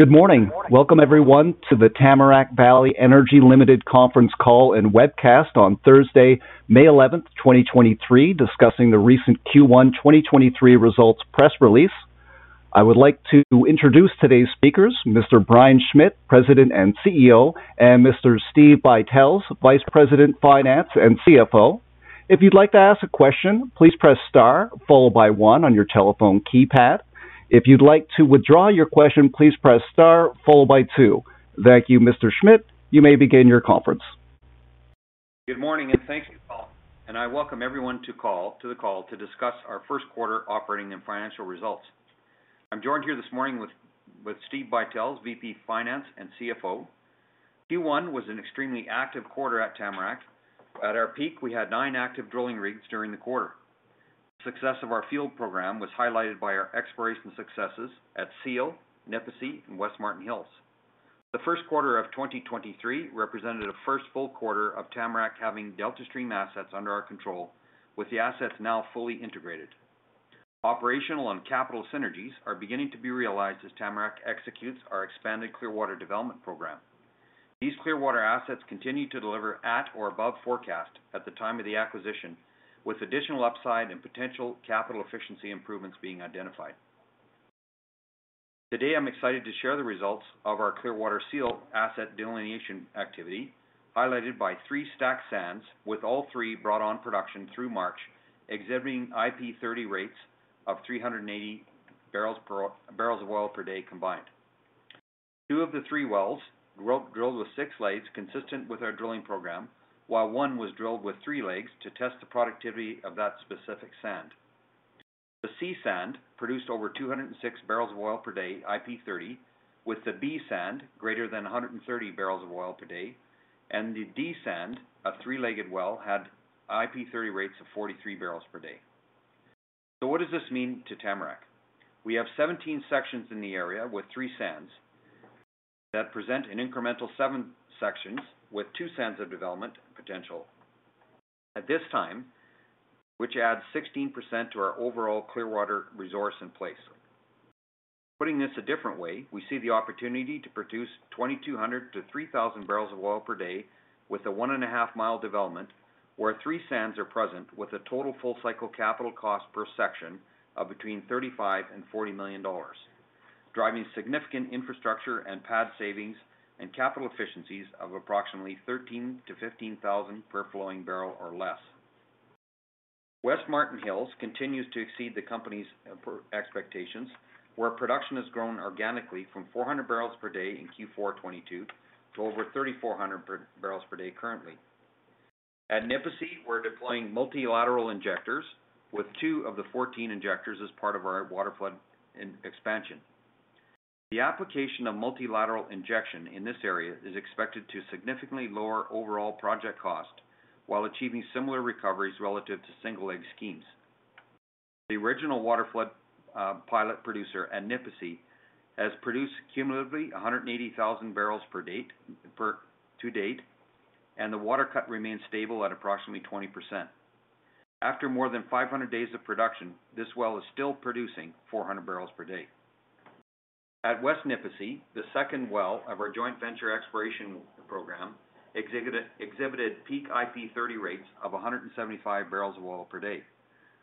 Good morning. Welcome everyone to the Tamarack Valley Energy Ltd. Conference Call and Webcast on Thursday, May 11th, 2023, discussing the recent Q1 2023 results press release. I would like to introduce today's speakers, Mr. Brian Schmidt, President and CEO, and Mr. Steve Buytels, Vice President, Finance and CFO. If you'd like to ask a question, please press star followed by one on your telephone keypad. If you'd like to withdraw your question, please press star followed by two. Thank you. Mr. Schmidt, you may begin your conference. Good morning, thank you, Paul. I welcome everyone to the call to discuss our first quarter operating and financial results. I'm joined here this morning with Steve Buytels, VP Finance and CFO. Q1 was an extremely active quarter at Tamarack. At our peak, we had nine active drilling rigs during the quarter. The success of our field program was highlighted by our exploration successes at Seal, Nipisi, and West Martin Hills. The first quarter of 2023 represented a first full quarter of Tamarack having Deltastream assets under our control, with the assets now fully integrated. Operational and capital synergies are beginning to be realized as Tamarack executes our expanded Clearwater development program. These Clearwater assets continue to deliver at or above forecast at the time of the acquisition, with additional upside and potential capital efficiency improvements being identified. Today, I'm excited to share the results of our Clearwater Seal asset delineation activity, highlighted by three stack sands, with all three brought on production through March, exhibiting IP30 rates of 380 barrels of oil per day combined. Two of the three wells drilled with six legs, consistent with our drilling program, while one was drilled with three legs to test the productivity of that specific sand. The C sand produced over 206 barrels of oil per day, IP30, with the B sand greater than 130 barrels of oil per day, and the D sand, a three-legged well, had IP30 rates of 43 barrels per day. What does this mean to Tamarack? We have 17 sections in the area with three sands that present an incremental seven sections with two sands of development potential. At this time, which adds 16% to our overall Clearwater resource in place. Putting this a different way, we see the opportunity to produce 2,200 to 3,000 barrels of oil per day with a one and a half mile development, where three sands are present with a total full cycle capital cost per section of between $35 million and $40 million, driving significant infrastructure and pad savings and capital efficiencies of approximately $13,000-$15,000 per flowing barrel or less. West Martin Hills continues to exceed the company's expectations, where production has grown organically from 400 barrels per day in Q4 2022 to over 3,400 barrels per day currently. At Nipisi, we're deploying multilateral injectors with two of the 14 injectors as part of our waterflood in expansion. The application of multilateral injection in this area is expected to significantly lower overall project cost while achieving similar recoveries relative to single leg schemes. The original waterflood pilot producer at Nipisi has produced cumulatively 180,000 barrels to date, and the water cut remains stable at approximately 20%. After more than 500 days of production, this well is still producing 400 barrels per day. At West Nipisi, the second well of our joint venture exploration program exhibited peak IP30 rates of 175 barrels of oil per day,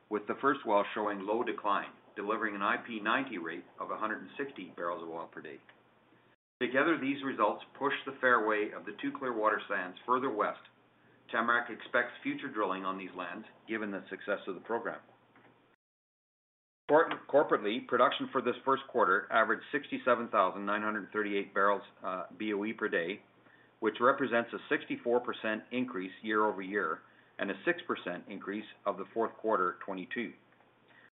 with the first well showing low decline, delivering an IP90 rate of 160 barrels of oil per day. Together, these results push the fairway of the two Clearwater sands further west. Tamarack expects future drilling on these lands, given the success of the program. Corporately, production for this first quarter averaged 67,938 barrels BOE per day, which represents a 64% increase year-over-year and a 6% increase of the fourth quarter of 2022.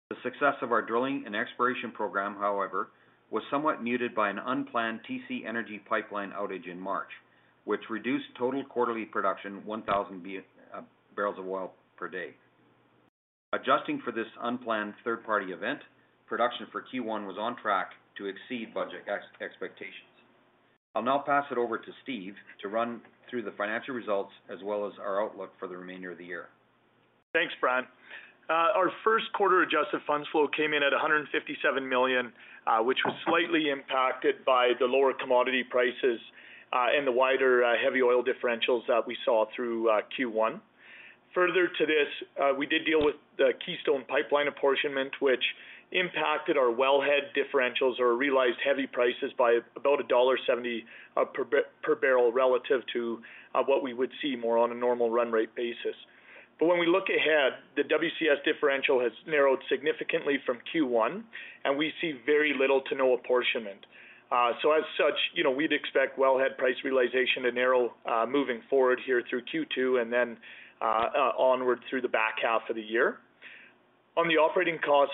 The success of our drilling and exploration program, however, was somewhat muted by an unplanned TC Energy pipeline outage in March, which reduced total quarterly production 1,000 barrels of oil per day. Adjusting for this unplanned third-party event, production for Q1 was on track to exceed budget expectations. I'll now pass it over to Steve to run through the financial results as well as our outlook for the remainder of the year. Thanks, Brian. Our first quarter adjusted funds flow came in at 157 million, which was slightly impacted by the lower commodity prices, and the wider heavy oil differentials that we saw through Q1. Further to this, we did deal with the Keystone Pipeline apportionment, which impacted our wellhead differentials or realized heavy prices by about dollar 1.70 per barrel relative to what we would see more on a normal run rate basis. When we look ahead, the WCS differential has narrowed significantly from Q1, and we see very little to no apportionment. As such, you know, we'd expect wellhead price realization to narrow moving forward here through Q2 and then onward through the back half of the year. On the operating cost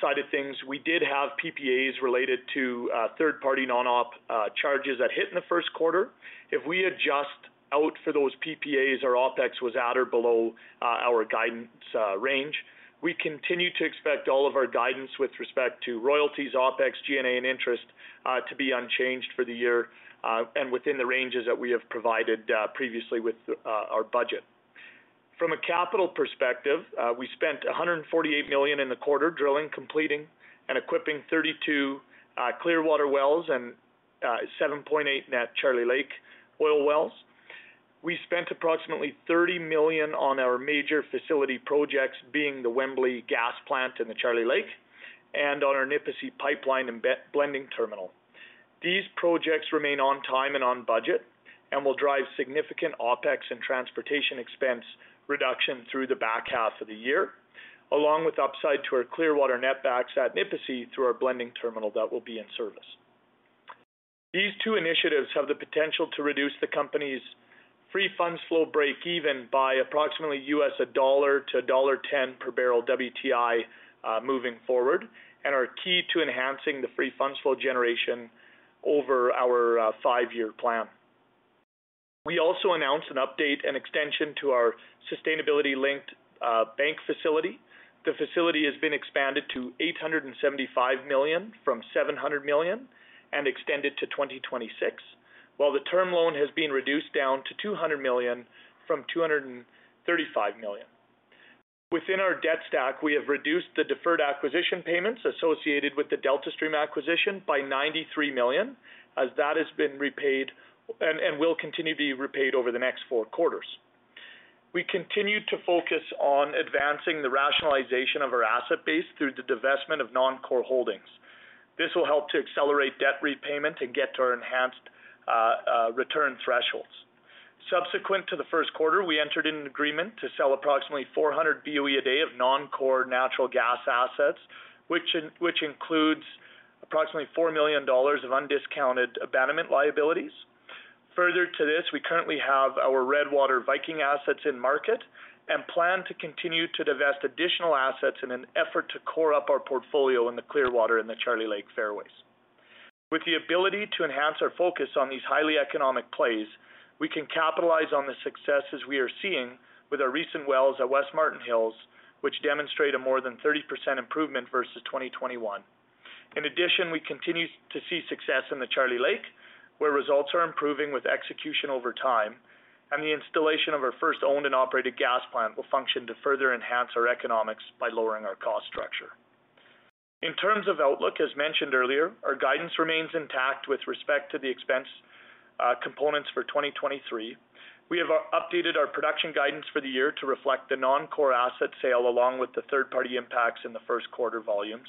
side of things, we did have PPAs related to third party non-op charges that hit in the first quarter. If we adjust out for those PPAs, our OpEx was at or below our guidance range. We continue to expect all of our guidance with respect to royalties, OpEx, G&A, and interest to be unchanged for the year and within the ranges that we have provided previously with our budget. From a capital perspective, we spent 148 million in the quarter drilling, completing and equipping 32 Clearwater wells and 7.8 net Charlie Lake oil wells. We spent approximately 30 million on our major facility projects, being the Wembley Gas Plant in the Charlie Lake and on our Nipisi pipeline and blending terminal. These projects remain on time and on budget and will drive significant OpEx and transportation expense reduction through the back half of the year, along with upside to our Clearwater netbacks at Nipisi through our blending terminal that will be in service. These two initiatives have the potential to reduce the company's free funds flow breakeven by approximately US $1-$1.10 per barrel WTI moving forward and are key to enhancing the free funds flow generation over our five-year plan. We also announced an update and extension to our sustainability-linked bank facility. The facility has been expanded to 875 million from 700 million and extended to 2026, while the term loan has been reduced down to 200 million from 235 million. Within our debt stack, we have reduced the deferred acquisition payments associated with the Deltastream acquisition by 93 million, as that has been repaid and will continue to be repaid over the next four quarters. We continue to focus on advancing the rationalization of our asset base through the divestment of non-core holdings. This will help to accelerate debt repayment and get to our enhanced return thresholds. Subsequent to the first quarter, we entered in an agreement to sell approximately 400 BOE a day of non-core natural gas assets, which includes approximately 4 million dollars of undiscounted abandonment liabilities. Further to this, we currently have our Redwater Viking assets in market and plan to continue to divest additional assets in an effort to core up our portfolio in the Clearwater and the Charlie Lake Fairways. With the ability to enhance our focus on these highly economic plays, we can capitalize on the successes we are seeing with our recent wells at West Martin Hills, which demonstrate a more than 30% improvement versus 2021. In addition, we continue to see success in the Charlie Lake, where results are improving with execution over time, and the installation of our first owned and operated gas plant will function to further enhance our economics by lowering our cost structure. In terms of outlook, as mentioned earlier, our guidance remains intact with respect to the expense components for 2023. We have updated our production guidance for the year to reflect the non-core asset sale, along with the third-party impacts in the 1st quarter volumes.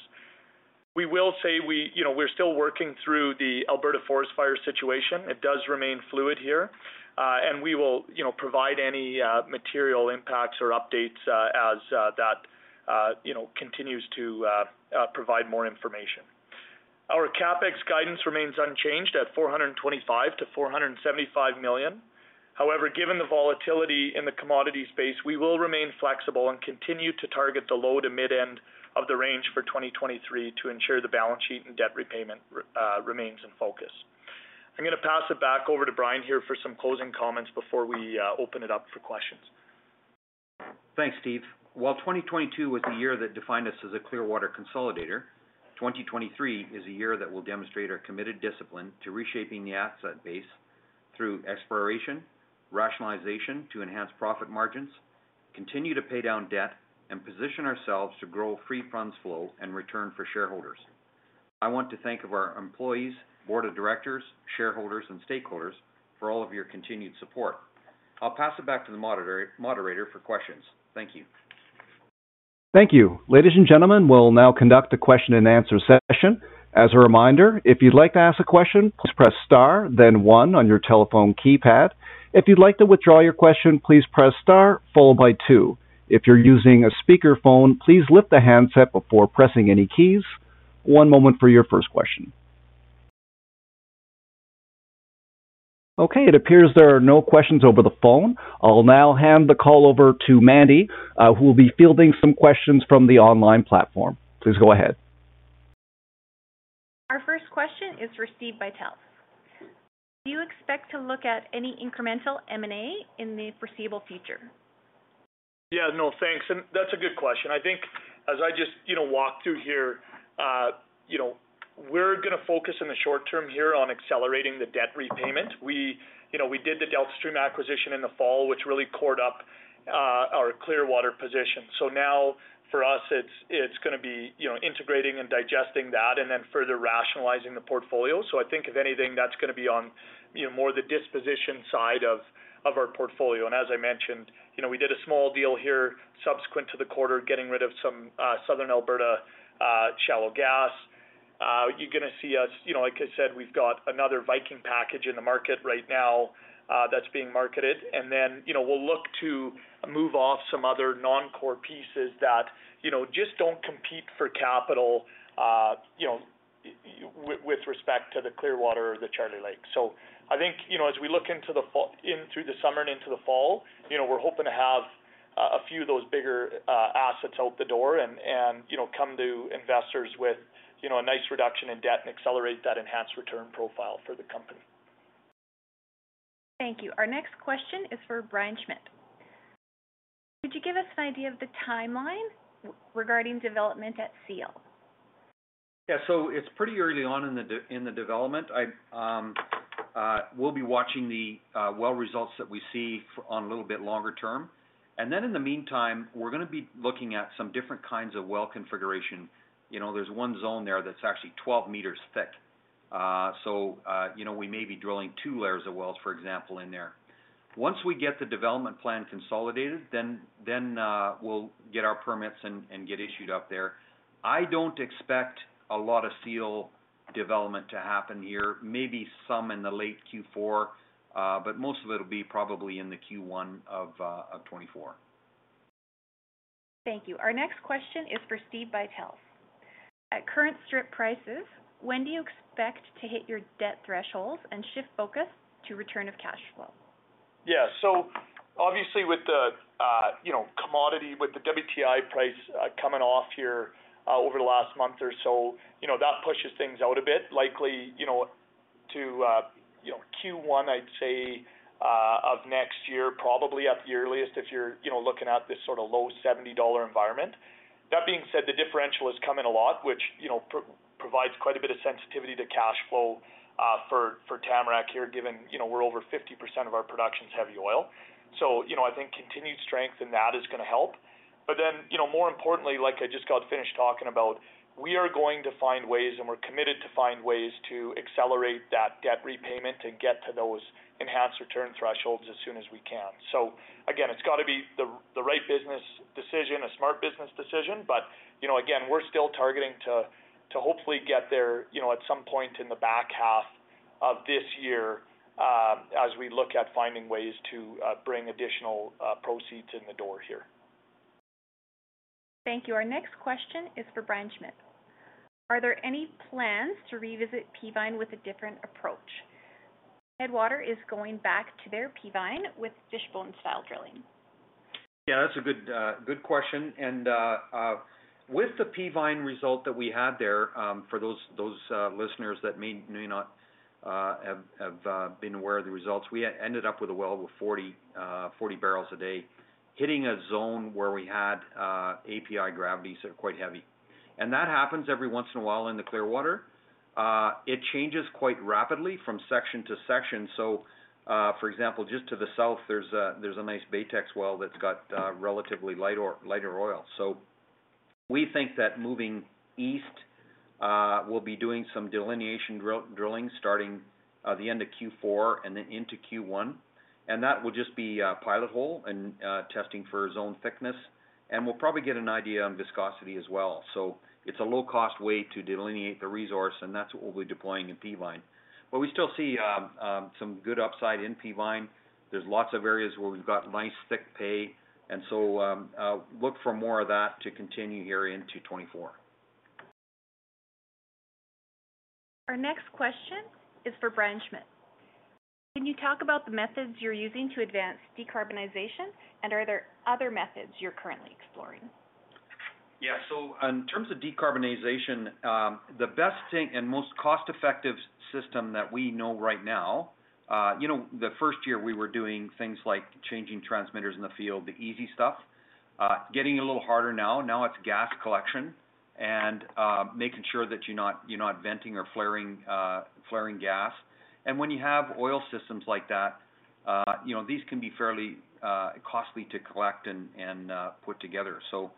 We will say we, you know, we're still working through the Alberta forest fire situation. It does remain fluid here, and we will, you know, provide any material impacts or updates as that, you know, continues to provide more information. Our CapEx guidance remains unchanged at 425 million-475 million. However, given the volatility in the commodity space, we will remain flexible and continue to target the low to mid end of the range for 2023 to ensure the balance sheet and debt repayment remains in focus. I'm gonna pass it back over to Brian here for some closing comments before we open it up for questions. Thanks, Steve. While 2022 was the year that defined us as a clearwater consolidator, 2023 is a year that will demonstrate our committed discipline to reshaping the asset base through exploration, rationalization to enhance profit margins, continue to pay down debt, and position ourselves to grow free funds flow and return for shareholders. I want to thank of our employees, board of directors, shareholders and stakeholders for all of your continued support. I'll pass it back to the moderator for questions. Thank you. Thank you. Ladies and gentlemen, we'll now conduct a question and answer session. As a reminder, if you'd like to ask a question, please press star then one on your telephone keypad. If you'd like to withdraw your question, please press star followed by two. If you're using a speakerphone, please lift the handset before pressing any keys. One moment for your first question. Okay, it appears there are no questions over the phone. I'll now hand the call over to Mandy, who will be fielding some questions from the online platform. Please go ahead. Our first question is received by Tel. Do you expect to look at any incremental M&A in the foreseeable future? Yeah. No, thanks. That's a good question. I think as I just, you know, walked through here, you know, we're gonna focus in the short term here on accelerating the debt repayment. We, you know, we did the Deltastream acquisition in the fall, which really cored up our Clearwater position. Now for us it's gonna be, you know, integrating and digesting that and then further rationalizing the portfolio. I think if anything that's gonna be on, you know, more the disposition side of our portfolio. As I mentioned, you know, we did a small deal here subsequent to the quarter, getting rid of some Southern Alberta shallow gas. You're gonna see us, you know, like I said, we've got another Viking package in the market right now, that's being marketed. Then, you know, we'll look to move off some other non-core pieces that, you know, just don't compete for capital, you know, with respect to the Clearwater or the Charlie Lake. I think, you know, as we look in through the summer and into the fall, you know, we're hoping to have a few of those bigger assets out the door and, you know, come to investors with, you know, a nice reduction in debt and accelerate that enhanced return profile for the company. Thank you. Our next question is for Brian Schmidt. Could you give us an idea of the timeline regarding development at Seal? Yeah. It's pretty early on in the development. I, we'll be watching the well results that we see on a little bit longer term. In the meantime, we're gonna be looking at some different kinds of well configuration. You know, there's one zone there that's actually 12 meters thick. You know, we may be drilling two layers of wells, for example, in there. Once we get the development plan consolidated, then we'll get our permits and get issued up there. I don't expect a lot of seal development to happen here. Maybe some in the late Q4, most of it'll be probably in the Q1 of 2024. Thank you. Our next question is for Steve Buytels. At current strip prices, when do you expect to hit your debt thresholds and shift focus to return of cash flow? Yeah. Obviously with the, you know, commodity, with the WTI price coming off here over the last month or so, you know, that pushes things out a bit likely, you know, to, you know, Q1, I'd say, of next year, probably at the earliest, if you're, you know, looking at this sort of low 70 dollar environment. That being said, the differential has come in a lot, which, you know, provides quite a bit of sensitivity to cash flow for Tamarack here, given, you know, we're over 50% of our production's heavy oil. You know, I think continued strength in that is gonna help. You know, more importantly, like I just got finished talking about, we are going to find ways, and we're committed to find ways to accelerate that debt repayment and get to those enhanced return thresholds as soon as we can. Again, it's gotta be the right business decision, a smart business decision. You know, again, we're still targeting to hopefully get there, you know, at some point in the back half of this year, as we look at finding ways to bring additional proceeds in the door here. Thank you. Our next question is for Brian Schmidt. Are there any plans to revisit Peavine with a different approach? Headwater is going back to their Peavine with fishbone drilling. Yeah, that's a good question. With the Peavine result that we had there, for those listeners that may not have been aware of the results, we ended up with a well with 40 barrels a day, hitting a zone where we had API gravities that are quite heavy. That happens every once in a while in the Clearwater. It changes quite rapidly from section to section. For example, just to the south, there's a nice Baytex well that's got relatively lighter oil. We think that moving east, we'll be doing some delineation drilling starting the end of Q4 and then into Q1. That will just be a pilot hole and testing for zone thickness. We'll probably get an idea on viscosity as well. It's a low cost way to delineate the resource, and that's what we'll be deploying in Peavine. We still see some good upside in Peavine. There's lots of areas where we've got nice thick pay. Look for more of that to continue here into 2024. Our next question is for Brian Schmidt. Can you talk about the methods you're using to advance decarbonization, and are there other methods you're currently exploring? Yeah. In terms of decarbonization, the best thing and most cost-effective system that we know right now. You know, the first year we were doing things like changing transmitters in the field, the easy stuff. Getting a little harder now. Now it's gas collection and making sure that you're not venting or flaring gas. When you have oil systems like that, you know, these can be fairly costly to collect and put together. So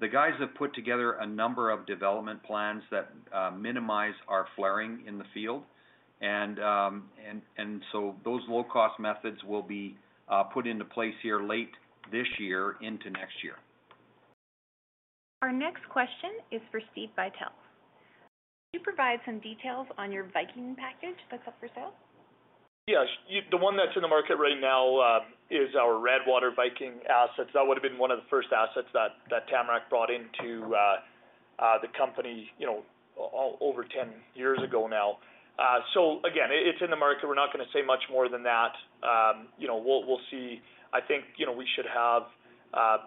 the guys have put together a number of development plans that minimize our flaring in the field. Those low-cost methods will be put into place here late this year into next year. Our next question is for Steve Buytels. Can you provide some details on your Viking package that's up for sale? Yes. The one that's in the market right now, is our Redwater Viking assets. That would have been one of the first assets that Tamarack brought into the company, you know, over 10 years ago now. Again, it's in the market. We're not gonna say much more than that. You know, we'll see. I think, you know, we should have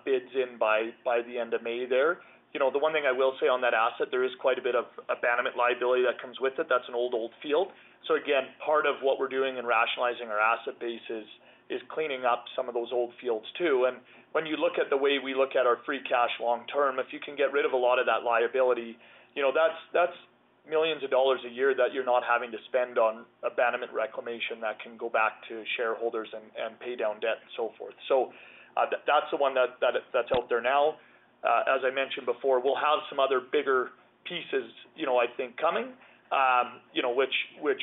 bids in by the end of May there. You know, the one thing I will say on that asset, there is quite a bit of abandonment liability that comes with it. That's an old field. Again, part of what we're doing in rationalizing our asset base is cleaning up some of those old fields too. When you look at the way we look at our free cash long term, if you can get rid of a lot of that liability, you know, that's millions of dollars a year that you're not having to spend on abandonment reclamation that can go back to shareholders and pay down debt and so forth. That's the one that's out there now. As I mentioned before, we'll have some other bigger pieces, you know, I think coming, you know, which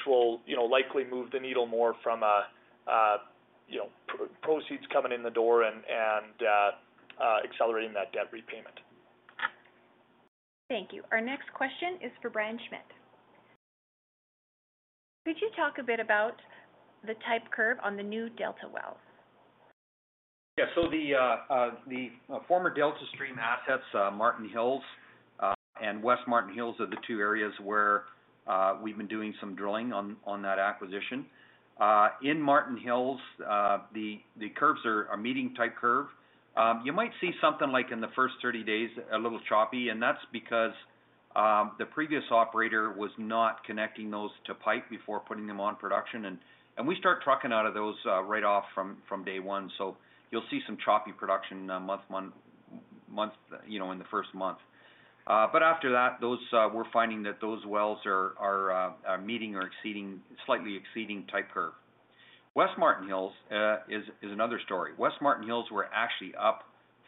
will, you know, likely move the needle more from, you know, pro-proceeds coming in the door and accelerating that debt repayment. Thank you. Our next question is for Brian Schmidt. Could you talk a bit about the type curve on the new Delta wells? Yeah. The former Deltastream assets, Martin Hills and West Martin Hills are the two areas where we've been doing some drilling on that acquisition. In Martin Hills, the curves are meeting type curve. You might see something like in the first 30 days a little choppy. That's because the previous operator was not connecting those to pipe before putting them on production. We start trucking out of those right off day one. You'll see some choppy production, you know, in the first month. After that, we're finding that those wells are meeting or exceeding, slightly exceeding type curve. West Martin Hills is another story. West Martin Hills were actually up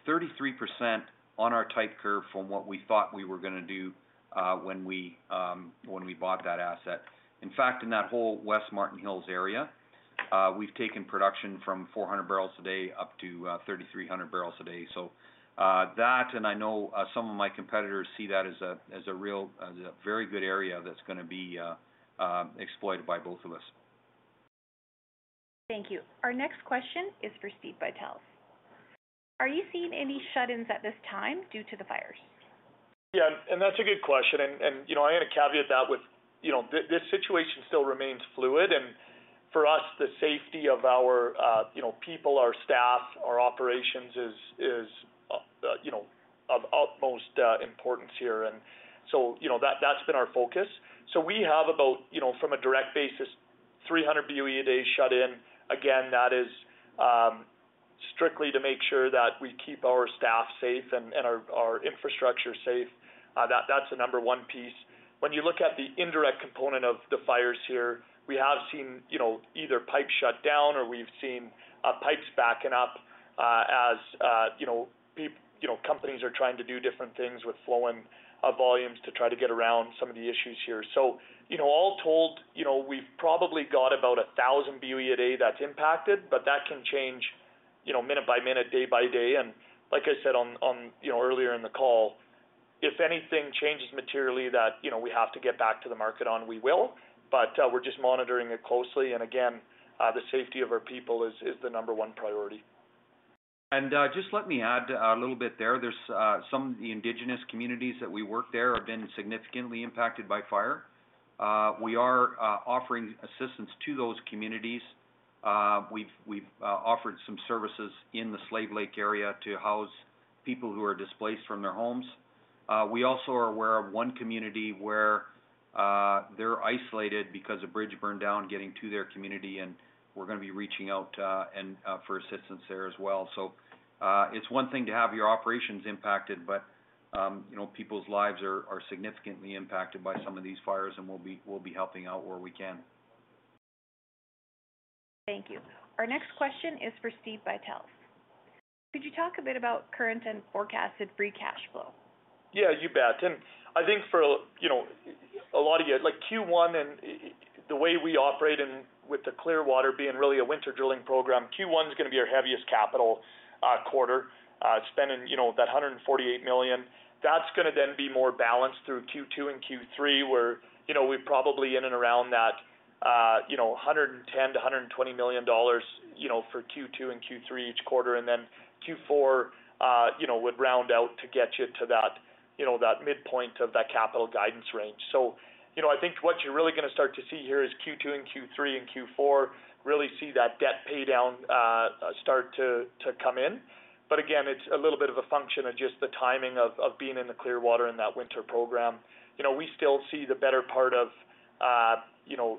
33% on our type curve from what we thought we were gonna do when we bought that asset. In fact, in that whole West Martin Hills area, we've taken production from 400 barrels a day up to 3,300 barrels a day. That and I know some of my competitors see that as a real, as a very good area that's gonna be exploited by both of us. Thank you. Our next question is for Steve Buytels. Are you seeing any shut-ins at this time due to the fires? Yeah, and that's a good question and, you know, I'm gonna caveat that with, you know, this situation still remains fluid, and for us, the safety of our, you know, people, our staff, our operations is, you know, of utmost importance here. You know, that's been our focus. We have about, you know, from a direct basis, 300 BOE a day shut in. That is strictly to make sure that we keep our staff safe and our infrastructure safe. That's the number one piece. When you look at the indirect component of the fires here, we have seen, you know, either pipes shut down or we've seen pipes backing up as, you know, companies are trying to do different things with flowing volumes to try to get around some of the issues here. You know, all told, you know, we've probably got about 1,000 BOE a day that's impacted, but that can change, you know, minute by minute, day by day. Like I said on, you know, earlier in the call, if anything changes materially that, you know, we have to get back to the market on, we will. We're just monitoring it closely. Again, the safety of our people is the number one priority. Just let me add a little bit there. There's some of the indigenous communities that we work there have been significantly impacted by fire. We are offering assistance to those communities. We've offered some services in the Slave Lake area to house people who are displaced from their homes. We also are aware of one community where they're isolated because a bridge burned down getting to their community, and we're gonna be reaching out and for assistance there as well. It's one thing to have your operations impacted, but, you know, people's lives are significantly impacted by some of these fires, and we'll be helping out where we can. Thank you. Our next question is for Steve Buytels. Could you talk a bit about current and forecasted free cash flow? Yeah, you bet. I think for, you know, a lot of you, like Q1 and the way we operate and with the Clearwater being really a winter drilling program, Q1's gonna be our heaviest capital quarter spending, you know, 148 million. That's gonna then be more balanced through Q2 and Q3, where, you know, we're probably in and around that, you know, 110 million-120 million dollars, you know, for Q2 and Q3 each quarter. Q4, you know, would round out to get you to that, you know, that midpoint of that capital guidance range. I think what you're really gonna start to see here is Q2 and Q3 and Q4, really see that debt pay down start to come in. Again, it's a little bit of a function of just the timing of being in the Clearwater in that winter program. You know, we still see the better part of, you know,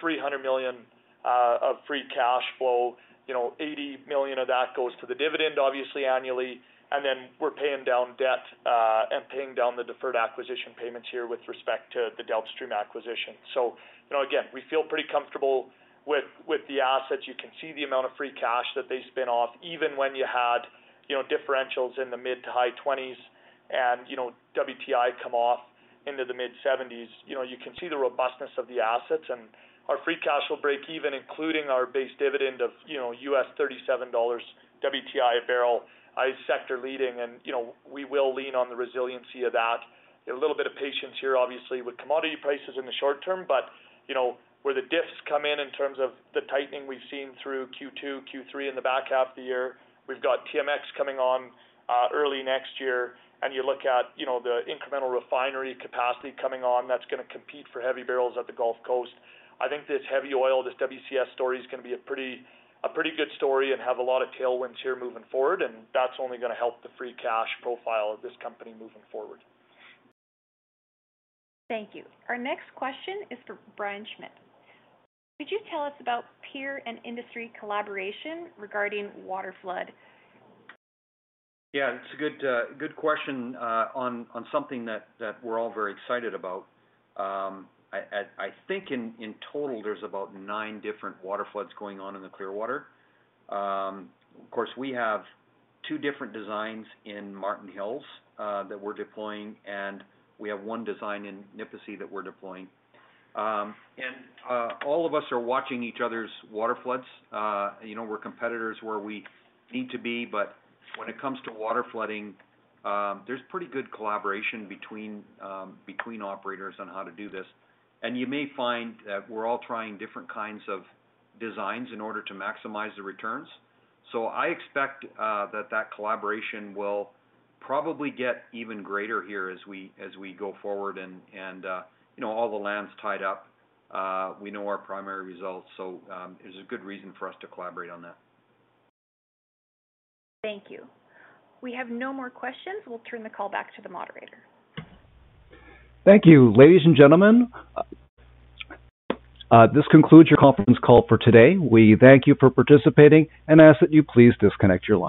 300 million of free cash flow. You know, 80 million of that goes to the dividend, obviously annually, and then we're paying down debt and paying down the deferred acquisition payments here with respect to the Deltastream acquisition. Again, we feel pretty comfortable with the assets. You can see the amount of free cash that they spin off, even when you had, you know, differentials in the mid to high 20s and, you know, WTI come off into the mid 70s. You know, you can see the robustness of the assets. Our free cash will break even, including our base dividend of, you know, US $37 WTI a barrel is sector leading, and, you know, we will lean on the resiliency of that. A little bit of patience here, obviously, with commodity prices in the short term, but, you know, where the diffs come in terms of the tightening we've seen through Q2, Q3 in the back half of the year, we've got TMX coming on, early next year. You look at, you know, the incremental refinery capacity coming on, that's gonna compete for heavy barrels at the Gulf Coast. I think this heavy oil, this WCS story is gonna be a pretty good story and have a lot of tailwinds here moving forward, and that's only gonna help the free cash profile of this company moving forward. Thank you. Our next question is for Brian Schmidt. Could you tell us about peer and industry collaboration regarding waterflood? Yeah, it's a good question on something that we're all very excited about. I think in total there's about nine different water floods going on in the Clearwater. Of course, we have two different designs in Martin Hills that we're deploying, and we have one design in Nipisi that we're deploying. All of us are watching each other's water floods. You know, we're competitors where we need to be, when it comes to water flooding, there's pretty good collaboration between operators on how to do this. You may find that we're all trying different kinds of designs in order to maximize the returns. I expect that collaboration will probably get even greater here as we go forward and, you know, all the land's tied up. We know our primary results, so, there's a good reason for us to collaborate on that. Thank you. We have no more questions. We'll turn the call back to the moderator. Thank you. Ladies and gentlemen, this concludes your conference call for today. We thank you for participating and ask that you please disconnect your line.